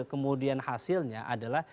kemudian hasilnya adalah